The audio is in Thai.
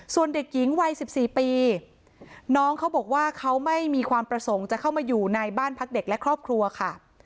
ส่วนเด็กหญิงวัย๑๔ปีน้องเขาบอกว่าเขาไม่มีความประสงค์จะเข้ามาอยู่ในบ้านพักเด็กและครอบครัวค่ะ